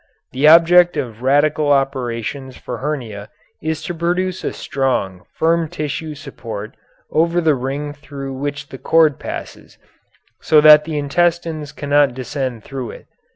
The object of radical operations for hernia is to produce a strong, firm tissue support over the ring through which the cord passes, so that the intestines cannot descend through it.